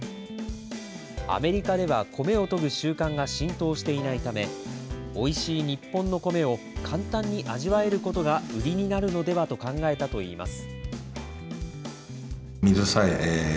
アメリカではコメをとぐ習慣が浸透していないため、おいしい日本のコメを簡単に味わえることが売りになるのではと考えたといいます。